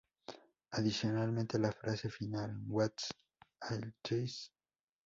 Adicionalmente, la frase final, "What's all this?